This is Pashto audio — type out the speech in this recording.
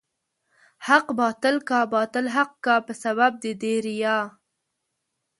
حق باطل کا، باطل حق کا په سبب د دې ريا